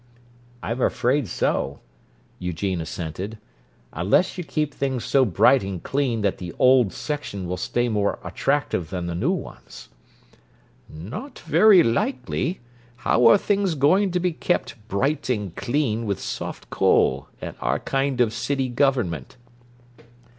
"I'm afraid so," Eugene assented. "Unless you keep things so bright and clean that the old section will stay more attractive than the new ones." "Not very likely! How are things going to be kept 'bright and clean' with soft coal, and our kind of city government?"